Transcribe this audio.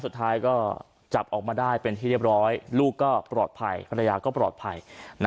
สุดท้ายก็จับออกมาได้เป็นที่เรียบร้อยลูกก็ปลอดภัยภรรยาก็ปลอดภัย